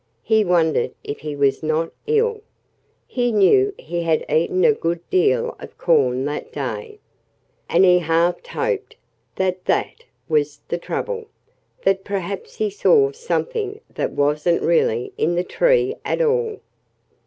He wondered if he was not ill. He knew he had eaten a good deal of corn that day. And he half hoped that that was the trouble that perhaps he saw something that wasn't really in the tree at all.